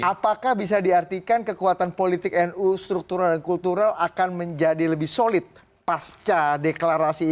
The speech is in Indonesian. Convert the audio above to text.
apakah bisa diartikan kekuatan politik nu struktural dan kultural akan menjadi lebih solid pasca deklarasi ini